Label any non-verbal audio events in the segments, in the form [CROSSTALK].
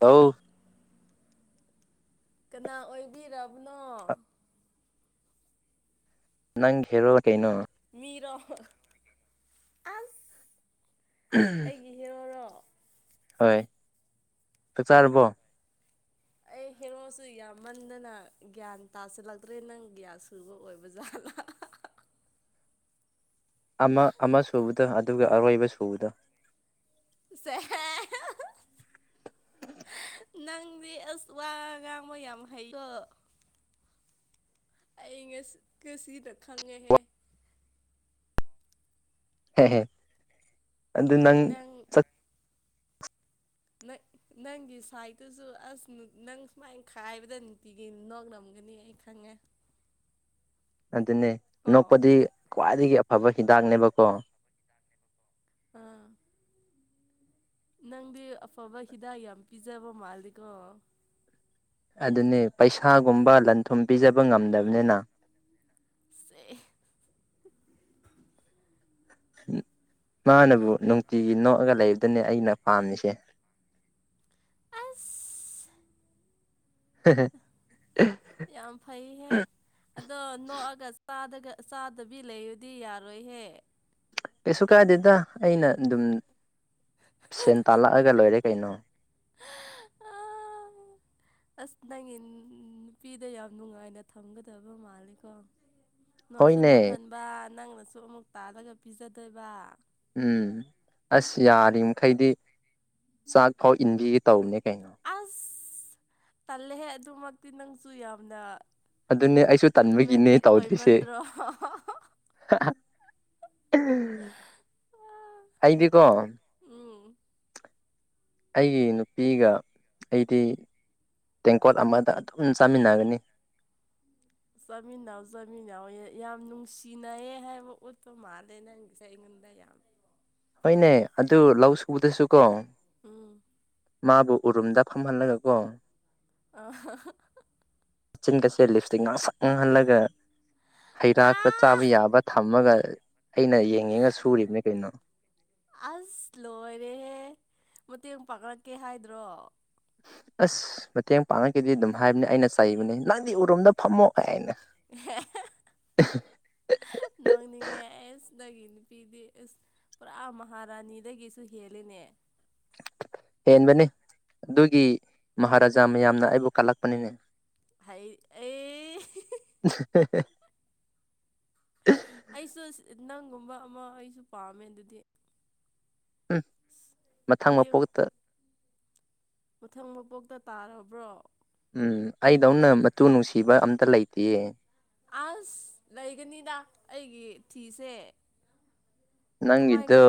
ꯇꯥꯎ ꯀꯅꯥ ꯑꯣꯏꯕꯤꯔꯕꯅꯣ ꯅꯪ ꯍꯦꯔꯣꯂ ꯀꯥꯏꯩꯅꯣ ꯃꯤꯔꯣ ꯑ ꯑꯩꯒꯤ ꯍꯦꯔꯣꯣꯔꯣ ꯍꯣꯏ ꯇ ꯆꯥꯔꯕꯣ [INAUDIBLE] ꯍꯦꯉꯣꯁꯨ ꯌꯥꯝꯃꯟꯗꯅ ꯒ꯭ꯌꯥꯟ ꯇꯥꯁꯤꯜꯂꯛꯇ꯭ꯔꯦ ꯅꯪ ꯒ꯭ꯌꯥꯟ ꯁꯨꯕ ꯑꯣꯏꯕ ꯖꯥꯠꯂ [INAUDIBLE] ꯑꯃ ꯑꯃ ꯁꯨꯕꯗ ꯑꯗꯨꯒ ꯑꯔꯣꯏꯕ ꯁꯨꯕꯗ ꯁꯦ ꯅꯪꯗꯤ ꯑꯁ ꯋꯥ ꯉꯥꯡꯕꯣ ꯌꯥꯝ ꯍꯩꯗꯣ ꯑ ꯉ ꯀꯁꯤ ꯔꯈꯥꯒꯦ ꯍꯦ ꯍ ꯍ ꯑꯗꯨ ꯅꯪ ꯅꯪꯒꯤ ꯁꯥꯏꯠꯇꯨꯁꯨ ꯑꯁ ꯅꯪ ꯁꯨꯃꯥꯏꯅ ꯈꯥꯏꯕꯗ ꯅꯨꯡꯇꯤꯒꯤ ꯅꯣꯛꯅ ꯑꯃꯨ ꯪꯅꯤ ꯑꯩ ꯈꯪꯉꯦ [INAUDIBLE] ꯑꯗꯨꯅꯦ ꯀꯣ ꯅꯣꯛꯄꯗꯤ ꯈ꯭ꯋꯥꯏꯗꯒꯤ ꯑꯐꯕ ꯍꯤꯗꯥꯛꯅꯦꯕꯀꯣ ꯑꯥ ꯅꯪꯗꯤ ꯑꯐꯕ ꯍꯤꯗꯥꯛ ꯌꯥꯝ ꯄꯤꯖꯕ ꯃꯥꯜꯜꯂꯤꯀꯣ ꯑꯗꯨꯅꯤ ꯄꯩꯁꯥꯒꯨꯝꯕ ꯂꯟ ꯊꯨꯝ ꯄꯤꯖꯕ ꯉꯝꯗꯕꯅꯤꯅ ꯁꯦ ꯃꯥꯅꯕꯨ ꯅꯨꯡꯇꯤꯒꯤ ꯅꯣꯛꯑꯒ ꯂꯩ ꯗꯅꯦ ꯑꯩꯅ ꯄꯥꯝꯃꯤꯁꯦ ꯑꯥꯁ ꯍꯝ ꯌꯥꯝ ꯐꯩꯌꯦꯅꯦ ꯑꯗꯣ ꯅꯣꯛꯑꯒ ꯆꯥꯗꯒ ꯆꯥꯗꯕꯤ ꯂꯩꯕꯗꯤ ꯌꯥꯔꯣꯏꯍꯦ ꯀꯩꯁꯨ ꯀꯥꯏꯗꯦꯗ ꯑꯩꯅ ꯑꯗꯨꯝ ꯁꯦꯟ ꯇꯥꯜꯂꯛꯑꯒ ꯂꯣꯏꯔꯦ ꯀꯩꯅꯣ ꯑꯥ, ꯑꯁ ꯅꯪꯒꯤ ꯅꯨꯄꯤꯗ ꯌꯥꯝ ꯅꯨꯡꯉꯥꯏꯅ ꯊꯝꯒꯗꯕ ꯃꯥꯜꯂꯦꯀꯣ ꯅꯣꯛꯁꯨꯟ ꯍꯣꯏꯅꯦ ꯃꯈꯟꯕ ꯅꯪꯅꯁꯨ ꯑꯃꯨꯛ ꯇꯥꯜꯂꯒ ꯄꯤꯖꯗꯕ ꯎꯝ ꯑꯁ ꯌꯥꯔꯤꯃꯩꯗꯤ ꯆꯥꯛ ꯐꯥꯎ ꯏꯟꯕꯤꯒꯦ ꯇꯧꯕꯅꯦ ꯀꯩꯅꯣ ꯑꯁ ꯇꯜꯂꯦꯍꯦ ꯑꯗꯨꯃꯛꯇꯤ ꯅꯪꯁꯨ ꯌꯥꯝꯅ ꯑꯗꯨꯅꯦ ꯑꯩꯁꯨ ꯇꯟꯕꯒꯤꯅꯦ ꯔꯣꯃꯦꯟꯇꯤꯛ ꯇꯧꯗ꯭ꯔꯤꯁꯦ ꯑꯣꯏꯃꯟꯗ꯭ꯔꯣ ꯍꯥꯏꯕꯤꯀꯣ ꯎꯝ ꯑꯩꯒꯤ ꯅꯨꯄꯤꯒ ꯑꯩꯗꯤ ꯇꯦꯡꯀꯣꯠ ꯑꯃꯗ ꯑꯗꯨꯝ ꯆꯥꯃꯤꯟꯅꯒꯅꯤ ꯆꯥꯃꯤꯅꯥꯎ ꯆꯥꯃꯤꯅꯥꯎ ꯌꯥꯝ ꯅꯨꯡꯁꯤꯅꯩꯌꯦ ꯍꯥꯏꯕ ꯎꯠꯄ ꯃꯥꯜꯂꯦ ꯅꯪ ꯉꯁꯥꯏ ꯑꯩꯉꯣꯟꯗ ꯕꯌꯥꯝꯝ ꯍꯣꯏꯅꯦ ꯑꯗꯨ ꯂꯧ ꯁꯕꯗꯁꯨ ꯀꯣ ꯎꯝ ꯃꯥꯕꯨ ꯎꯔꯨꯝꯗ ꯐꯝꯍꯜꯂꯒꯀꯣ ꯑ ꯃꯆꯤꯟ ꯀꯁꯦ ꯂꯤꯞꯇꯤ ꯉꯥꯡꯁꯛ ꯉꯥꯡꯍꯜꯂꯒ ꯍꯩ ꯔꯥ ꯈꯔ ꯆꯥꯕ ꯌꯥꯕ ꯊꯝꯃꯒ ꯑꯩꯅ ꯌꯦꯡꯉꯉ ꯁꯨꯔꯤꯕꯅꯦ ꯀꯩꯅꯣ ꯑꯁ ꯂꯣꯏꯔꯦꯍꯦ ꯃꯇꯦꯡ ꯄꯥꯡꯂꯛꯀꯦ ꯍꯥꯏꯗ꯭ꯔꯣ ꯑꯥꯁ ꯃꯇꯦꯡ ꯄꯥꯡꯉꯛꯈꯤꯗꯤ ꯑꯗꯨꯝ ꯍꯥꯏꯕꯅꯦ ꯑꯩꯅ ꯆꯩꯕꯅꯦ ꯅꯪꯗꯤ ꯎꯔꯣꯝꯗ ꯐꯝꯃꯣ ꯀꯥꯏ ꯍꯥꯏꯅ ꯅꯪꯅꯤꯡꯉꯦꯁꯦ ꯅꯪꯒꯤ ꯅꯨꯄꯤꯗꯤ ꯑꯁ ꯄꯨꯔꯥ ꯃꯍꯥꯔꯥꯅꯤꯗꯒꯤꯁꯨ ꯍꯦꯜꯂꯤꯅꯦ ꯍꯦꯟꯕꯅꯤ ꯑꯗꯨꯒꯤ ꯃꯍꯥꯔꯥꯖꯥ ꯃꯌꯥꯝꯅ ꯑꯩꯕꯨ ꯀꯜꯂꯛꯄꯅꯦꯅꯦ ꯍꯥꯏ ꯑꯦ ꯑꯩꯁꯨ ꯅꯪꯒꯨꯝꯕ ꯑꯃꯥ ꯑꯩꯁꯨ ꯄꯥꯝꯃꯦ ꯑꯗꯨꯗꯤ ꯎꯝ ꯃꯊꯪ ꯃꯇꯦꯡ ꯃꯄꯣꯛꯇꯥ ꯃꯊꯪ ꯃꯕꯣꯛꯇ ꯇꯥꯔꯕ꯭ꯔꯣ ꯎꯝ ꯑꯩꯗꯧꯅꯥ ꯃꯨ ꯅꯨꯡꯁꯤꯕ ꯑꯝꯇ ꯂꯩꯇꯦꯌꯦ ꯑꯥꯁ ꯂꯩꯒꯅꯤꯗ ꯑꯩꯒꯤ ꯊꯤꯁꯦ ꯀꯃꯥꯏ ꯅꯪꯒꯤꯗꯨ ꯀꯃ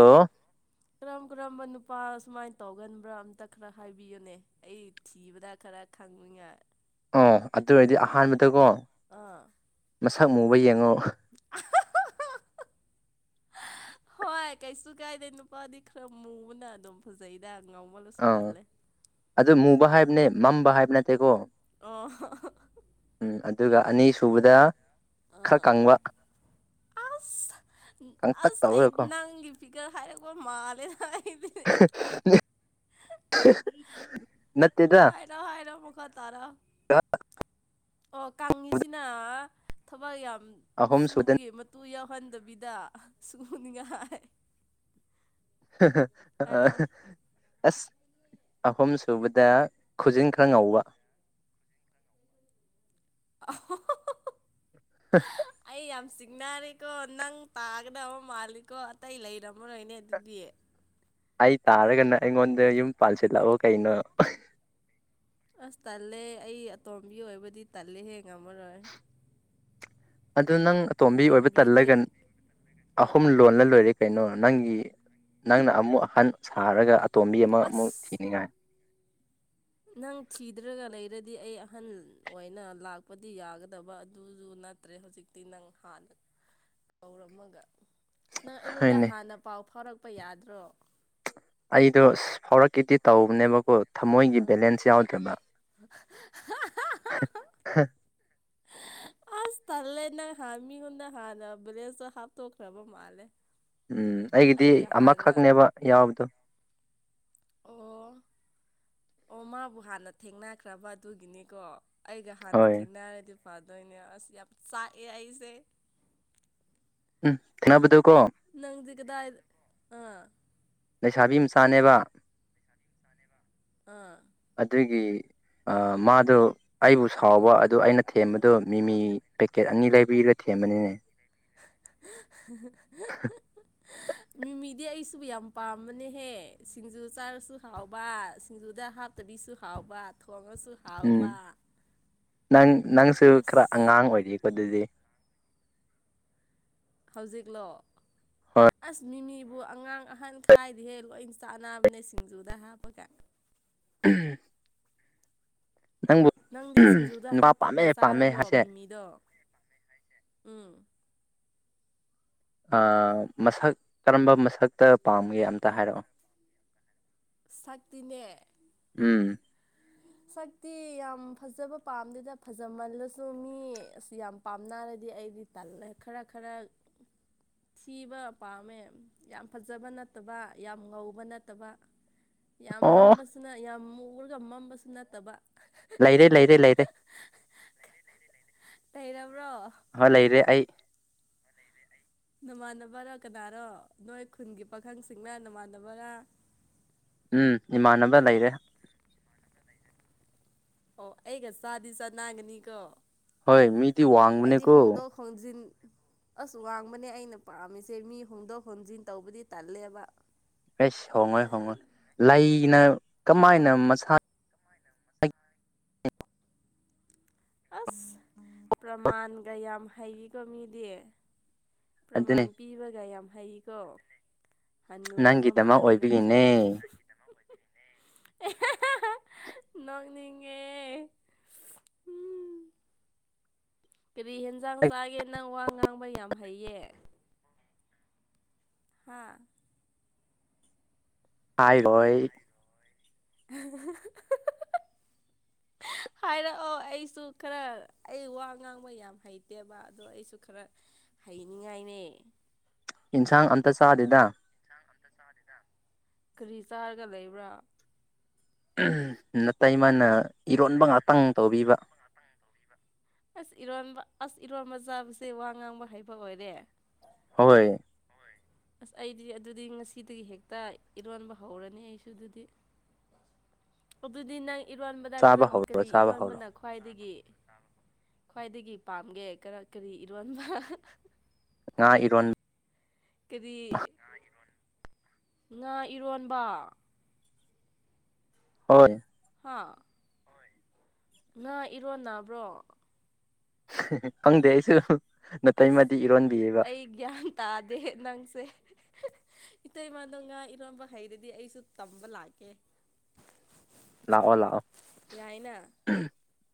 ꯀꯔꯝ ꯀꯔꯝꯕ ꯅꯨꯄꯥ ꯁꯨꯃꯥꯏꯅ ꯇꯧꯒꯟꯕ꯭ꯔꯥ ꯑꯝꯇ ꯈꯔ ꯍꯥꯏꯕꯤꯌꯨꯅꯦ ꯑꯩ ꯊꯤꯕꯗ ꯈꯔ ꯊꯥꯡꯨꯉꯌꯥ ꯑꯣ ꯑꯗꯨ ꯑꯣꯏꯔꯗꯤ ꯑꯍꯥꯟꯕꯗꯀꯣ ꯑꯣ ꯃꯁꯛ ꯃꯨꯕ ꯌꯦꯡꯉꯣ [UNINTELLIGIBLE] ꯍꯣꯏ ꯀꯩꯁꯨ ꯀꯥꯏꯗꯦ ꯅꯨꯄꯥꯗꯤ ꯈꯔ ꯃꯨꯕꯅ ꯑꯗꯨꯝ ꯐꯖꯩꯗ ꯉꯥꯎꯃꯜꯂꯁꯨ ꯑꯥ ꯇꯜꯂꯦ ꯑꯗꯨ ꯃꯨꯕ ꯍꯥꯏꯕꯅꯦ ꯃꯝꯕ ꯍꯥꯏꯕ ꯅꯠꯇꯦꯀꯣ ꯑꯣ ꯎꯝ ꯑꯗꯨꯒ ꯑꯅꯤꯁꯨꯨꯕꯗ ꯈꯔ ꯑꯥ ꯀꯪꯕ ꯑꯁ ꯀꯪꯇꯛ ꯇꯧꯔꯣꯏꯀꯣ ꯏꯒꯔ ꯍꯔꯦꯒꯣ ꯃꯥꯂꯦꯔꯦ ꯅꯠꯇꯗ ꯇꯔꯥ ꯑꯣ ꯀꯥꯡꯉꯤꯁꯤꯅ ꯊꯕꯛ ꯌꯥꯝ ꯑꯍꯨꯝ ꯁꯨꯗꯅ ꯁꯨꯕꯒꯤ ꯃꯇꯨ ꯌꯥꯎ ꯍꯟꯗꯕꯤꯗ ꯁꯨꯅꯤꯡꯉꯥꯏ ꯍꯥꯏꯔꯣ ꯑꯥꯁ ꯑꯍꯨꯝ ꯁꯨꯕꯗ ꯈꯨꯖꯤꯟ ꯈꯔ ꯉꯧꯕ [UNINTELLIGIBLE] [UNINTELLIGIBLE] [INAUDIBLE] ꯑꯩ ꯌꯥꯝ ꯆꯤꯡꯅꯔꯦꯀꯣ ꯅꯪ ꯇꯥꯒꯗꯕ ꯃꯥꯜꯂꯤꯀꯣ ꯑꯇꯩ ꯂꯩꯔꯝꯃꯔꯣꯏꯅꯦ ꯑꯗꯨꯗꯤ ꯑꯩ ꯇꯥꯔꯥꯒꯅ ꯑꯩꯉꯣꯟꯗ ꯌꯨꯝ ꯄꯥꯟꯜꯁꯤꯜꯂꯛꯑꯣ ꯀꯩꯅꯣ ꯑꯥꯁ ꯇꯜꯂꯦ ꯑꯩ ꯑꯇꯣꯝꯕꯤ ꯑꯣꯏꯕꯨꯗꯤ ꯇꯜꯂꯦ ꯍꯦꯉꯝꯃꯔꯣꯏ ꯑꯗꯨ ꯅꯪ ꯑꯇꯣꯝꯕꯤ ꯑꯣꯏꯕ ꯑꯇꯣꯝꯕꯤꯗꯤ ꯇꯜꯂꯒ ꯑꯍꯨꯝ ꯂ ꯂꯣꯜꯂ ꯂꯣꯏꯔꯦ ꯀꯩꯅꯣ ꯅꯪꯒꯤ ꯅꯪꯅ ꯑꯃꯨꯛ ꯑꯍꯟ ꯁꯥꯔꯒ ꯇꯣꯝꯕꯤ ꯑꯃꯃꯨꯛ ꯑꯁ ꯊꯤꯅꯤꯡꯉꯥꯏ ꯅꯪ ꯊꯤꯗ꯭ꯔꯒ ꯂꯩꯔꯗꯤ ꯑꯩ ꯑꯍꯟ ꯑꯣꯏꯅ ꯂꯥꯛꯄꯗꯤ ꯌꯥꯒꯗꯕ ꯑꯗꯨꯁꯨ ꯅꯠꯇ꯭ꯔꯦ ꯍꯧꯖꯤꯛꯇꯤ ꯅꯪ ꯍꯥꯟꯅ ꯀꯧꯔꯝꯃꯒ ꯅꯪ ꯑꯩꯉꯣꯟꯗ ꯍꯣꯏꯅꯦ ꯍꯥꯟꯅ ꯄꯥꯎ ꯐꯥꯎꯔꯛꯄ ꯌꯥꯗ꯭ꯔꯣ ꯑꯩꯗꯣ ꯐꯥꯎꯔꯛꯀꯤꯗꯤ ꯇꯧꯕꯅꯦꯕꯀꯣ ꯊꯝꯃꯣꯏꯒꯤ ꯑꯥ ꯕꯦꯂꯦꯟꯁ ꯌꯥꯎꯗꯕ ꯑꯁ ꯇꯜꯂꯦ ꯅꯪꯥꯟ ꯃꯤꯉꯣꯟꯗ ꯍꯥꯟꯅ ꯕ꯭ꯂꯦꯖꯇꯣ ꯍꯥꯞꯇꯣꯛꯈ꯭ꯔꯕ ꯃꯥꯜꯂꯦ ꯎꯝ ꯑꯩꯒꯤꯗꯤ ꯑꯩꯒ ꯍꯥꯟꯅ ꯑꯃꯈꯛꯅꯦꯕ ꯌꯥꯎꯕꯗꯣ ꯑꯣ ꯑꯣ ꯃꯥꯕꯨ ꯍꯥꯟꯅ ꯊꯦꯡꯅꯈ꯭ꯔꯕ ꯑꯗꯨꯒꯤꯅꯤꯀꯣ ꯑꯩꯒ ꯍꯥꯟꯅ ꯍꯣꯏ ꯊꯦꯡꯅꯔꯗꯤ ꯐꯥꯗꯣꯏꯅꯦ ꯑꯁ ꯌꯥꯝ ꯆꯥꯛꯑꯦ ꯑꯩꯁꯦ ꯎꯝ ꯊꯅꯕꯗꯕ ꯀꯣ ꯅꯪꯗꯤ ꯀꯗꯥ ꯑꯥ ꯂꯩꯁꯥꯕꯤ ꯃꯆꯥꯅꯦꯕ ꯑꯥ ꯑꯗꯨꯒꯤ ꯃꯥꯗꯣ ꯑꯩꯕꯨ ꯁꯥꯎꯕ ꯑꯗꯨ ꯑꯩꯅ ꯊꯦꯝꯕꯗꯣ ꯎꯝ ꯃꯤꯃꯤ ꯄꯦꯀꯦꯠ ꯑꯅꯤ ꯂꯩꯕꯤꯔ ꯊꯦꯝꯕꯅꯤꯅꯦ ꯃꯤ ꯃꯤꯗꯤ ꯁꯨꯕꯨ ꯌꯥꯝ ꯄꯥꯝꯕꯅꯦꯍꯦ ꯁꯤꯡꯖꯨ ꯆꯥꯔꯁꯨ ꯍꯥꯎꯕꯥ ꯁꯤꯡꯖꯨꯗ ꯍꯥꯞꯇꯕꯤꯁꯨ ꯍꯥꯎꯕ ꯊꯣꯡꯉꯥ ꯎꯝ ꯅꯪ ꯅꯪꯁꯨ ꯈꯔ ꯑꯁ ꯑꯉꯥꯡ ꯑꯣꯏꯔꯤꯀꯣ ꯑꯗꯨꯗꯤ ꯍꯧꯖꯤꯛꯂꯣ ꯍꯣꯏ ꯑꯥꯁ ꯃꯤꯃꯤ ꯑꯗꯨꯕꯨꯕꯨ ꯑꯉꯥꯡ ꯑꯍꯟꯈꯥꯏꯗꯤ ꯍꯦ ꯂꯣꯏ ꯆꯥꯅꯕꯅꯦ ꯁꯤꯡꯖꯨꯗ ꯍꯥꯞꯄꯒ ꯎꯝ ꯅꯪꯗꯤ ꯁꯤꯡꯖꯨꯗ ꯍꯥꯞꯄꯒ ꯄꯥꯝꯃꯦ ꯆꯥꯔꯕꯣ ꯍꯥꯏꯁꯦ ꯃꯤꯃꯤꯗꯣ ꯎꯝ ꯃꯁꯛ ꯀꯔꯝꯕ ꯃꯁꯛꯇ ꯄꯥꯝꯒꯦ ꯑꯝꯇ ꯍꯥꯏꯔꯛꯑꯣ ꯁꯛꯇꯅꯦ ꯎꯝ ꯁꯛꯇꯤ ꯌꯥꯝ ꯐꯖꯕ ꯄꯥꯝꯗꯦꯗ ꯐꯖꯃꯜꯂꯁꯨ ꯃꯤ ꯑꯁ ꯌꯥꯝ ꯄꯥꯝꯅꯔꯗꯤ ꯑꯩꯗꯤ ꯇꯜꯂꯦ ꯈꯔꯥ ꯈꯔꯥ [INAUDIBLE] ꯁꯤꯕ ꯄꯥꯝꯃꯦ ꯌꯥꯝ ꯐꯖꯕꯥ ꯅꯠꯇꯕ ꯌꯥꯝ ꯉꯧꯕ ꯅꯠꯇꯕꯥ ꯌꯥꯝ ꯑꯣ ꯃꯝꯕꯁꯨꯅ ꯌꯥꯝ ꯃꯨꯔꯒ ꯃꯝꯕꯁꯨ ꯅꯠꯇꯕ ꯂꯩꯔꯦ ꯂꯩꯔꯦ ꯂꯩꯔꯦ ꯇꯩꯔꯥ ꯍꯣꯏ ꯂꯩꯔꯦ ꯑꯩ ꯅꯃꯥꯟꯅꯕꯔꯥ ꯀꯅꯥꯔꯣ ꯅꯣꯏ ꯈꯨꯟꯒꯤ ꯄꯥꯈꯪꯁꯤꯡꯅ ꯅꯃꯥꯟꯅꯕꯔꯥ ꯎꯝ ꯏꯃꯥꯟꯅꯕ ꯂꯩꯔꯦ ꯑꯣ ꯑꯩꯒ ꯁꯥꯗꯤ ꯆ ꯅꯒꯅꯤ ꯀꯣ ꯍꯣꯏ ꯃꯤꯗꯤꯤ ꯋꯥꯡꯕꯅꯦ ꯀꯣ ꯍꯣꯡꯖꯤꯟ ꯑꯁ ꯋꯥꯡꯕꯅꯦ ꯑꯩꯅ ꯄꯥꯝꯃꯤꯁꯦ ꯃꯤ ꯍꯣꯡꯗꯣꯛ ꯍꯣꯡꯖꯤꯟ ꯇꯧꯕꯗꯤ ꯇꯜꯂꯦꯕ ꯑꯦꯁ ꯍꯣꯡꯉꯣꯏ ꯍꯣꯡꯉꯣꯏ ꯂꯩꯅ ꯀꯃꯥꯏꯅ ꯃꯁꯥꯅ ꯑꯁ ꯄ꯭ꯔꯃꯥꯟꯒ ꯌꯥꯝ ꯍꯩꯕꯤꯀ ꯃꯤꯗꯤ ꯑꯗꯨꯅꯤ ꯄ꯭ꯔꯃꯥꯟ ꯄꯤꯕꯒ ꯌꯥꯝ ꯍꯩꯀꯣ ꯍꯅꯨꯔꯕ ꯅꯪꯒꯤꯗꯃꯛ ꯃꯥꯂꯦ ꯅꯪꯁꯨ ꯑꯣꯏꯕꯒꯤꯅꯦ ꯅꯪ [UNINTELLIGIBLE] [INAUDIBLE] ꯑꯦ ꯎꯝ [UNINTELLIGIBLE] [INAUDIBLE] ꯀꯔꯤ ꯍꯦꯟꯖꯥꯡ ꯆꯥꯒꯦ ꯅꯪ ꯋꯥ ꯉꯥꯡꯕ ꯌꯥꯝ ꯍꯩꯌꯦ ꯍꯥꯥ ꯍꯥꯏ ꯍꯣꯏ [UNINTELLIGIBLE] [INAUDIBLE] [UNINTELLIGIBLE] [INAUDIBLE] ꯍꯥꯏꯔꯛꯑꯣ ꯑꯩꯁꯨ ꯈꯔ ꯑꯩ ꯋꯥ ꯉꯥꯡꯕ ꯌꯥꯝ ꯍꯩꯇꯦꯕ ꯑꯗꯣ ꯑꯩꯁꯨ ꯈꯔ ꯍꯩꯅꯤꯡꯉꯥꯏꯅꯦ ꯌꯦꯟꯁꯥꯡ ꯑꯝꯇ ꯆꯥꯗꯦꯗ ꯀꯔꯤ ꯆꯥꯔꯒ ꯂꯩꯕ꯭ꯔꯥ ꯅꯠꯇꯇꯩ ꯃꯥꯅ ꯏꯔꯣꯟꯕ ꯉꯥꯛꯇꯪ ꯇꯧꯕꯤꯕ ꯑꯁ ꯏꯔꯣꯟꯕ ꯑꯁ ꯏꯔꯣꯟꯕ ꯆꯥꯕꯁꯦ ꯋꯥ ꯉꯥꯡꯕ ꯍꯥꯏꯩꯕ ꯑꯣꯏꯔꯦ ꯍꯣꯏ ꯑꯁ ꯑꯩꯗꯤ ꯑꯗꯨꯗꯤ ꯉꯁꯤꯗꯒꯤ ꯍꯦꯛꯇ ꯏꯔꯣꯟꯕ ꯍꯧꯔꯅꯤ ꯑꯩꯁꯨ ꯑꯗꯨꯗꯤ [UNINTELLIGIBLE] [INAUDIBLE] ꯑꯗꯨꯗꯤ ꯅꯪ ꯏꯔꯣꯟꯕꯗ ꯆꯥꯕ ꯀꯔꯝ ꯍꯧꯔꯣ ꯀꯔꯤ ꯆꯥꯕ ꯍꯧꯔꯣ ꯏꯔꯣꯟꯕꯅ ꯈ꯭ꯋꯥꯏꯗꯒꯤ ꯈ꯭ꯋꯥꯏꯗꯒꯤ ꯄꯥꯝꯒꯦꯔ ꯀꯔꯤ ꯏꯔꯣꯟꯕ ꯉꯥ ꯏꯔꯣꯟꯕ ꯀꯗꯤ ꯉꯥ ꯏꯔꯣꯟꯕ ꯍꯣꯏ ꯍꯥ ꯉꯥ ꯏꯔꯣꯟꯅꯕ꯭ꯔꯣ ꯈꯪꯗꯦ ꯑꯩꯁꯨ ꯑꯁ ꯅꯇꯩꯃꯗꯤ ꯏꯔꯣꯟꯕꯤꯌꯦꯕ ꯑꯩ ꯒ꯭ꯌꯥꯟ ꯇꯥꯗꯦ ꯅꯪꯁꯦ ꯏꯇꯩꯃꯅꯒ ꯏꯔꯣꯟꯝꯕ ꯍꯩꯗꯗꯤ ꯑꯩꯁꯨ ꯇꯝꯕ ꯂꯥꯛꯀꯦ ꯂꯥꯛꯑꯣ ꯂꯥꯛꯑꯣ ꯌꯥꯏꯅ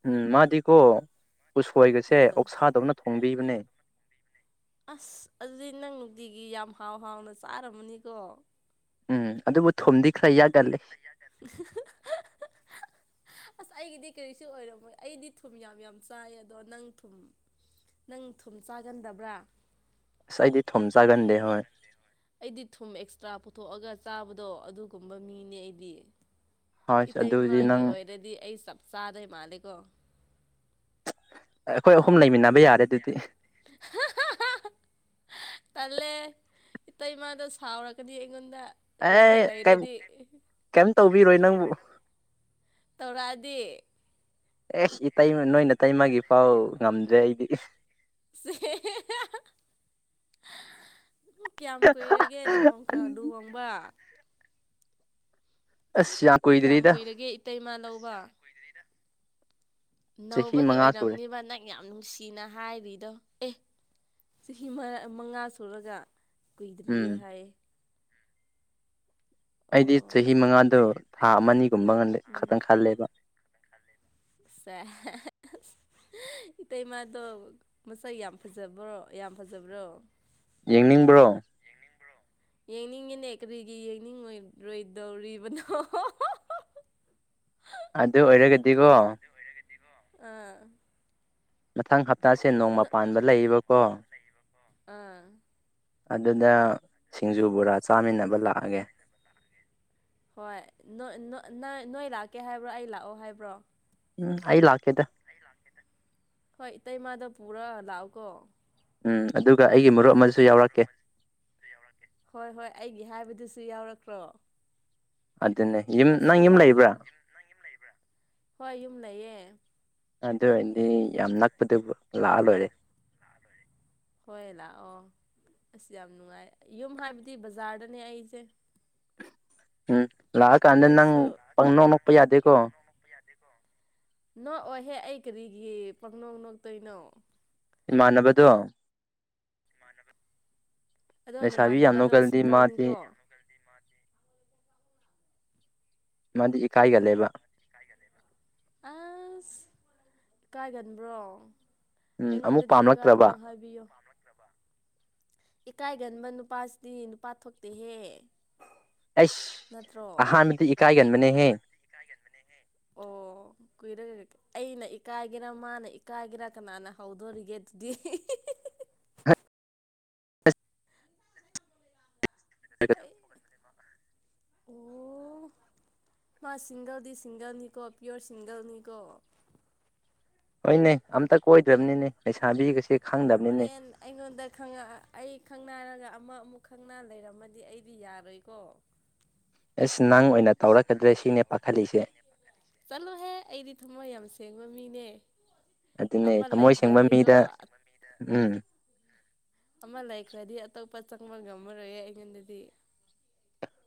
ꯎꯝ ꯃꯥꯗꯤꯀꯣ ꯎꯁꯣꯏꯒꯁꯦ ꯑꯥ ꯑꯣꯛꯁꯥꯗꯧꯅ ꯊꯣꯡꯕꯤꯕꯅꯦ ꯑꯁ ꯑꯗꯨꯗꯤ ꯅꯪ ꯅꯨꯡꯇꯤꯒꯤ ꯌꯥꯝ ꯍꯥꯎ ꯍꯥꯎꯅ ꯆꯥꯔꯝꯃꯅꯤꯀꯣ ꯎꯝ ꯑꯗꯨꯕꯨ ꯊꯣꯝꯗꯤ ꯈꯔ ꯌꯥꯒꯂꯦ [UNINTELLIGIBLE] [INAUDIBLE] ꯑꯁ ꯑꯩꯒꯤꯗꯤ ꯀꯔꯤꯁꯨ ꯑꯣꯏꯔꯝꯃꯣꯏ ꯑꯩꯗꯤ ꯊꯨꯝ ꯌꯥꯝ ꯌꯥꯝ ꯆꯥꯏ ꯑꯗꯣ ꯅꯪ ꯊꯨꯝ ꯅꯪ ꯊꯨꯝ ꯆꯥꯒꯟꯗꯕ꯭ꯔꯥ ꯉꯁꯥꯏꯗꯤ ꯊꯝꯆꯥꯥꯒꯥꯟꯗꯦ ꯍꯣꯏ ꯑꯩꯗꯤ ꯊꯨꯝ ꯑꯦꯛꯁꯇ꯭ꯔꯥ ꯄꯨꯊꯣꯛꯑꯒ ꯆꯥꯕꯗꯣ ꯑꯗꯨꯒꯨꯝꯕ ꯃꯤꯅꯦ ꯑꯩꯗꯤ ꯍꯣꯏ ꯑꯩ ꯏꯇꯩ ꯑꯗꯨꯗꯤ ꯏꯃꯥꯒꯤ ꯅꯪ ꯑꯣꯏꯔꯗꯤ ꯑꯩ ꯆꯞ ꯆꯥꯗꯣꯏ ꯃꯥꯂꯦꯀꯣ ꯑꯩꯈꯣꯏ ꯑꯍꯨꯝ ꯂꯩꯃꯤꯟꯅꯕ ꯌꯥꯔꯦ ꯑꯗꯨꯗꯤ ꯇꯜꯂꯦ ꯏꯇꯩꯃꯥꯗ ꯁꯥꯎꯔꯒꯗꯤ ꯑꯦ ꯀꯩꯝ ꯇꯧꯕꯤꯔꯣꯏ ꯅꯪꯕꯨ ꯇꯧꯔꯛꯑꯗꯤꯦ ꯑꯦꯁ ꯏꯃ ꯅꯣꯏꯅ ꯇꯩꯃꯒꯤ ꯐꯥꯎ ꯉꯝꯗ꯭ꯔꯦ ꯑꯩꯗꯤ ꯁꯤ [UNINTELLIGIBLE] [INAUDIBLE] ꯎ ꯀꯌꯥꯝ ꯀꯨꯏꯔꯒꯦ ꯂꯨꯍꯣꯡ ꯂꯨꯍꯣꯡꯕ ꯑꯁ ꯌꯥꯝ ꯀꯌꯥꯝ ꯀꯨꯏꯗ꯭ꯔꯤꯗ ꯀꯨꯏꯔꯒꯦ ꯏꯇꯩ ꯏꯃꯥ ꯂꯧꯕ ꯆꯍꯤ ꯅꯧꯕꯒꯤ ꯃꯉꯥ ꯁꯨꯔꯦ ꯑꯣꯏꯔꯝꯅꯦꯕ ꯅꯪ ꯌꯥꯝ ꯅꯨꯡꯁꯤꯅ ꯍꯥꯏꯔꯤꯗꯣ ꯑꯦ ꯆꯍꯤ ꯃꯉꯥ ꯁꯨꯔꯒ ꯎꯝ ꯀꯨꯏꯗ꯭ꯔꯤꯌꯦ ꯍꯥꯏꯌꯦ ꯑꯩꯗꯤ ꯆꯍꯤ ꯑꯣ ꯃꯉꯥꯗꯣ ꯊꯥ ꯑꯃꯅꯤꯅꯤꯒꯨꯝꯕ ꯈꯛꯇꯪ ꯈꯜꯂꯦꯕ ꯁ [INAUDIBLE] [UNINTELLIGIBLE] ꯏꯇꯩꯃꯗꯣ ꯃꯁꯛ ꯌꯥꯝ ꯐꯖꯕ꯭ꯔꯣ ꯌꯥꯝ ꯐꯖꯕ꯭ꯔꯣ ꯌꯦꯡꯅꯤꯡꯕ꯭ꯔꯣ ꯌꯦꯡꯅꯤꯡꯉꯤꯅꯦ ꯀꯔꯤꯒꯤ ꯌꯦꯡꯅꯤꯡꯉꯔꯣꯏꯗꯧꯔꯤꯕꯅꯣ ꯑꯗꯨ ꯑꯣꯏꯔꯒꯗꯤꯀꯣ ꯑꯥ ꯃꯊꯪ ꯍꯞꯇꯥꯁꯦ ꯅꯣꯡꯃ ꯄꯥꯟꯕ ꯂꯩꯌꯦꯕꯀꯣ ꯑꯥ ꯑꯗꯨꯗ ꯁꯤꯡꯖꯨ ꯕꯣꯔꯥ ꯆꯥꯃꯤꯟꯅꯕ ꯂꯥꯛꯑꯒꯦ ꯍꯣꯏ ꯅ ꯅꯣꯏ ꯂꯥꯛꯀꯦ ꯍꯥꯏꯕ꯭ꯔꯣ ꯑꯩ ꯂꯥꯛꯑꯣ ꯍꯥꯏꯕ꯭ꯔꯣ ꯎꯝ ꯑꯩ ꯂꯥꯛꯀꯦꯗ ꯍꯣꯏ ꯏꯇꯩꯃꯗ ꯄꯨꯔꯥ ꯂꯥꯛꯑꯣ ꯀꯣ ꯎꯝ ꯑꯗꯨꯒ ꯑꯩꯒꯤ ꯃꯔꯨꯞ ꯑꯃꯁꯁꯨ ꯌꯥꯎꯔꯛꯀꯦ ꯑꯗꯨꯁꯨ ꯌꯥꯎꯔꯛꯈ꯭ꯔꯣ ꯑꯗꯨꯅꯦ ꯌꯨꯝ ꯅꯪ ꯑꯁ ꯌꯨꯝ ꯌꯥꯝ ꯂꯩꯕ꯭ꯔꯥ ꯍꯣꯏ ꯌꯨꯝ ꯂꯩꯌꯦ ꯑꯗꯨ ꯑꯣꯏꯔꯗꯤ ꯌꯥꯝ ꯅꯛꯄꯗꯨꯕꯨ ꯂꯥꯛꯑ ꯂꯣꯏꯔꯦ ꯍꯣꯏ ꯂꯥꯛꯑꯣ ꯑꯁ ꯌꯥꯝ ꯅꯨꯡꯉꯥꯏ ꯌꯨꯝ ꯍꯥꯏꯕꯗꯤ ꯕꯖꯥꯔꯗꯅꯦ ꯑꯩꯁꯦ ꯍꯝ ꯂꯥꯛꯑꯀꯥꯟꯗ ꯅꯪ ꯑꯗꯨꯁꯨ ꯄꯪ ꯅꯣꯛ ꯅꯛꯄ ꯌꯥꯗꯦꯀꯣ ꯅꯣꯛꯑꯣꯍꯦ ꯑꯩ ꯀꯔꯤꯒꯤ ꯄꯪꯅꯣꯛ ꯅꯣꯛꯇꯣꯏꯅꯣ ꯏꯃꯥꯟꯅꯕꯗꯣ ꯑꯗꯣ ꯂꯩꯁꯥꯕꯤ ꯌꯥꯝ ꯅꯃꯥꯟꯅꯕꯗꯣ ꯅꯣꯛꯀꯜꯂꯗꯤ ꯃꯥꯗꯤ ꯁꯤꯡꯒꯧꯅꯤꯀꯣ ꯃꯥꯗꯤ ꯏꯀꯥꯏꯒꯜꯂꯦꯕ ꯑꯁ ꯀꯥꯏꯒꯟꯕ꯭ꯔꯣ ꯎꯝ ꯑꯃꯨꯛ ꯑꯩꯉꯣꯟꯗꯗꯤ ꯄꯥꯝꯂꯛꯇ꯭ꯔꯕ ꯏꯀꯥꯏꯒꯅꯣ ꯍꯥꯏꯕꯤꯌꯣ ꯏ ꯀꯥꯏꯒꯟꯕ ꯅꯨꯄꯥꯁꯤꯗꯤ ꯅꯨꯄꯥ ꯊꯣꯛꯇꯦꯍꯦ ꯑꯩꯁ ꯑꯍꯥꯟꯕꯗꯤ ꯏꯀꯥꯏꯒꯅꯕꯅꯦꯍꯦ ꯀꯑꯒꯦꯅ ꯃꯅꯦ ꯍꯦ ꯑꯣ ꯀꯨꯏꯔꯒ ꯑꯩꯅ ꯏꯀꯥꯏꯒꯦꯔꯥ ꯃꯥꯅ ꯏꯀꯥꯏꯒꯦꯔꯥ ꯀꯅꯥꯅ ꯍꯧꯗꯣꯔꯤꯒꯦ ꯗ ꯍ ꯍ ꯑꯣ ꯃꯥ ꯁꯁꯤꯡꯒꯜ ꯗꯗꯤ ꯁꯤꯁꯤꯡꯒꯜꯅꯤꯀꯣ ꯄ꯭ꯌꯣꯔ ꯁꯤꯁꯤꯡꯒꯜꯅꯤꯀꯣ ꯍꯣꯏꯅꯦ ꯑꯝꯇ ꯀꯣꯏꯗ꯭ꯔꯕꯅꯤꯅꯦ ꯂꯩꯁꯥꯕꯤꯒꯁꯦ ꯈꯪꯗꯕꯅꯤꯅꯦ ꯍꯣꯔꯦꯟ ꯑꯩꯉꯣꯟꯗ ꯑꯩ ꯈꯪꯅꯔꯒ ꯑꯃ ꯑꯃꯨꯛ ꯈꯪꯅ ꯂꯩꯔꯝꯃꯗꯤ ꯑꯩꯗꯤ ꯌꯥꯔꯣꯏꯀꯣ ꯑꯁ ꯅꯪ ꯑꯣꯏꯅ ꯇꯧꯔꯛꯀꯗ꯭ꯔꯦ ꯁꯤꯅꯦ ꯄꯥꯈꯠꯂꯤꯁꯦ ꯇꯦꯡꯕ ꯃꯤꯅꯦ ꯑꯗꯨꯅꯦ ꯑꯃ ꯊꯝꯃꯣꯏ ꯁꯦꯡꯕ ꯂꯩꯈ꯭ꯔꯗꯤꯀꯣ ꯃꯤꯗ ꯎꯝ ꯑꯃ ꯂꯩꯈ꯭ꯔꯗꯤ ꯑꯇꯣꯞꯄ ꯆꯪꯕ ꯉꯝꯃꯔꯣꯏ ꯑꯩꯉꯣꯟꯗꯗꯤ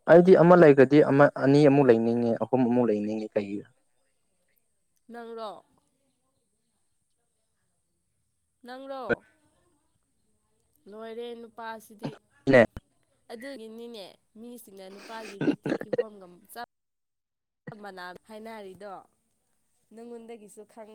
ꯑꯩꯗꯤ ꯑꯃ ꯂꯩꯒꯗꯤ ꯑꯃ ꯑꯅꯤ ꯑꯃꯨꯛ ꯂꯩꯅꯤꯡꯉꯦ ꯑꯍꯨꯝ ꯑꯃꯨꯛ ꯂꯩꯅꯤꯡꯉꯦ ꯀꯩꯒꯤ [UNINTELLIGIBLE] ꯅꯪꯔꯣ ꯅꯪꯂꯔꯣ ꯂꯣꯏꯔꯦ ꯅꯨꯄꯥꯁꯤꯗꯤ ꯍꯦ ꯑꯗꯨꯒꯤꯅꯤꯅꯦ ꯃꯤꯁꯤꯡꯅ ꯅꯨꯄꯥꯒꯤ ꯃꯤꯇꯤ ꯀꯤ ꯍꯣꯝꯒ ꯍꯥꯏꯅꯔꯤꯗꯣ ꯅꯪꯉꯣꯟꯗꯒꯤꯁꯨ ꯈꯪꯉ